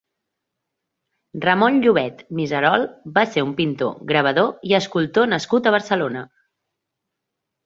Ramon Llovet Miserol va ser un pintor, gravador i escultor nascut a Barcelona.